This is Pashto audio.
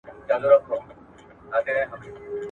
ملي شتمني د ټولو په ګټه کارول کیږي.